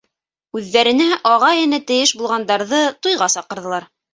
Үҙҙәренә ағай-эне тейеш булғандарҙы туйға саҡырҙылар.